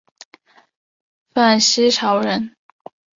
范希朝人。